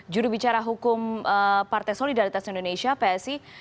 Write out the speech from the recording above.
juru bicara hukum partai solidaritas indonesia psi